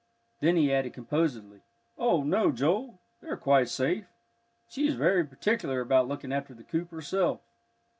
Then he added composedly, "Oh, no, Joel, they're quite safe. She is very particular about looking after the coop herself."